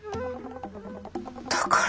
だから。